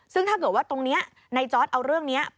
ซึ่งถ้าเกิดว่าตรงนี้ในจอร์ดเอาเรื่องนี้